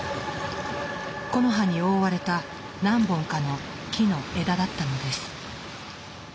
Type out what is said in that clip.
木の葉に覆われた何本かの木の枝だったのです。